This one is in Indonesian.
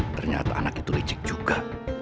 ternyata anak itu ricik juga